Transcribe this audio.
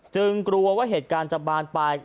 กลัวว่าเหตุการณ์จะบานปลาย